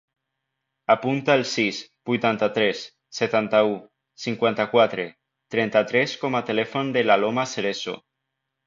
Apunta el sis, vuitanta-tres, setanta-u, cinquanta-quatre, trenta-tres com a telèfon de l'Aloma Cerezo.